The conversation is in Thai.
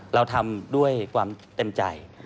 เราทำด้วยความเต็มใจ